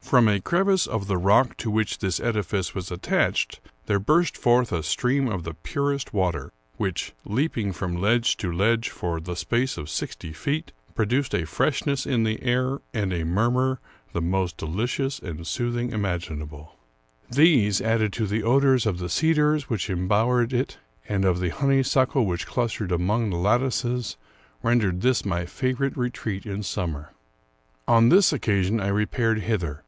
From a crevice of the rock to which this edifice was attached there burst forth a stream of the purest water, which, leaping from ledge to ledge for the space of sixty feet, produced a freshness in the air, and a rriurmur, the most delicious and soothing imaginable. 234 Charles Brockdcn Brozvn These, adi.led to the odors of the cedars which embowered it, and of the honeysuckle which clustered among the lat tices, rendered this my favorite retreat in summer. On this occasion I repaired hither.